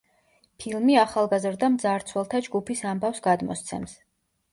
ფილმი ახალგაზრდა მძარცველთა ჯგუფის ამბავს გადმოსცემს.